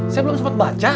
saya belum sempat baca